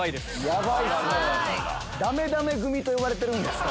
ダメダメ組と呼ばれてるんですか？